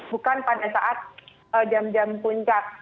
bukan pada saat jam jam puncak